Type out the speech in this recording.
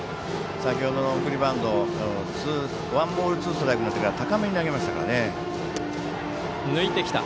先ほどの送りバントワンボール、ツーストライクから高めに投げましたからね。